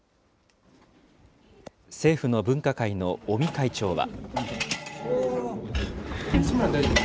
政府の分科会の尾身会長は。